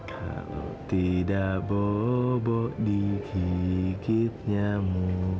kalau tidak bobo digigit nyamu